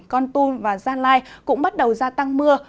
con tum và gia lai cũng bắt đầu gia tăng mưa